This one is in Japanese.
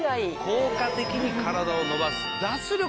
効果的に体を伸ばす脱力